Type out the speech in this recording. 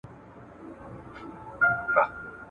آیا ته به زما سره په پټي کې مرسته وکړې؟